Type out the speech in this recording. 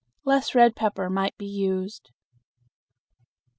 Less red pepper might be used.